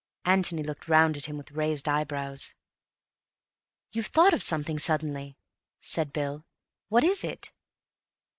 Antony looked round at him with raised eyebrows. "You've thought of something suddenly," said Bill. "What is it?"